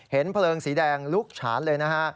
เห็นเผลิงสีแดงลุกฉานเลย